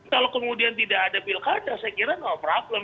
kalau kemudian tidak ada pilkada saya kira no problem